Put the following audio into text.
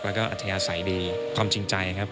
แล้วก็อัธยาศัยดีความจริงใจครับ